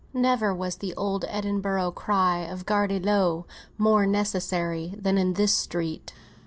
Never was the Old Edinburgh cry of "Gardez l'eau" more necessary than in this street.